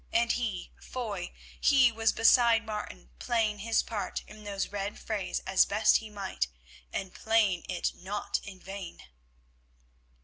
And he, Foy, he was beside Martin playing his part in those red frays as best he might, and playing it not in vain.